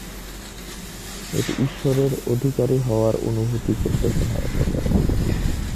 এটি ""ঈশ্বরের অধিকারী"" হওয়ার অনুভূতি তৈরি করতে সহায়তা করে।